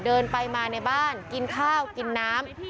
เดินไปมาในบ้านกินข้าวกินน้ำ